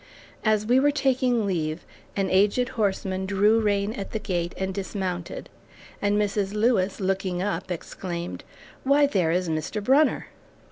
As we were taking leave, an aged horseman drew rein at the gate and dismounted, and Mrs. Lewis looking up, exclaimed, "Why, there is Mr. Brunner!"